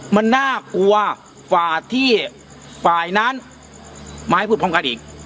มันน่ากลัวกว่าที่ฝ่ายนั้นมาให้พูดพร้อมกันอีก